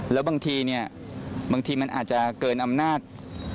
แล้วบางทีเนี่ยบางทีมันอาจจะเกินอำนาจ